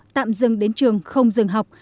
tạm dừng đến trường không dừng học